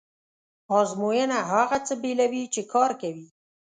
ازموینه هغه څه بېلوي چې کار کوي.